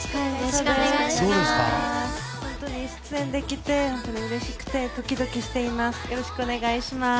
本当に出演できて本当にうれしくてドキドキしています。